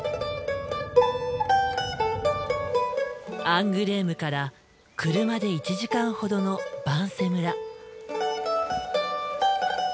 アングレームから車で１時間ほどのヴァンセ村。